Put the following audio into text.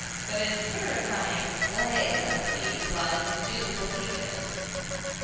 But a terrifying leg acy while you do believe in it!